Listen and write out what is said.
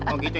oh gitu ya